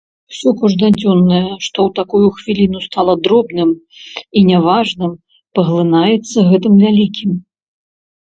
Усё кожнадзённае, што ў такую хвіліну стала дробным і не важным, паглынаецца гэтым вялікім.